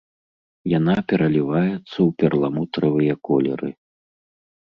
Яна пераліваецца ў перламутравыя колеры.